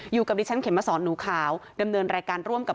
อยู่กับดิฉันเข็มมาสอนหนูขาวดำเนินรายการร่วมกับ